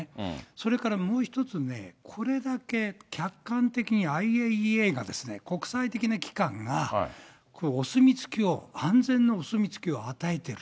それからもう１つね、これだけ客観的にＩＡＥＡが、国際的な機関が、お墨付きを、安全のお墨付きを与えている。